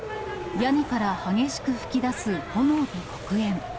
屋根から激しく噴き出す炎と黒煙。